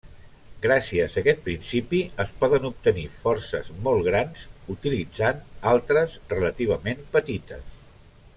Gràcies a aquest principi es poden obtenir forces molt grans utilitzant altres relativament petites.